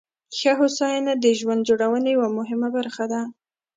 ښه هوساینه د ژوند جوړونې یوه مهمه برخه ده.